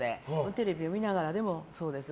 テレビを見ながらでも、そうです。